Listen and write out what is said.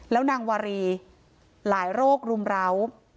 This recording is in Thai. แล้วนางวารีหลายโรครุมร้าว